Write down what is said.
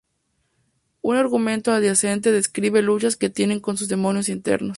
Un argumento adyacente describe luchas que tiene con sus demonios internos.